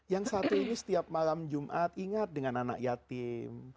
yang satu ini setiap malam jumat ingat dengan anak yatim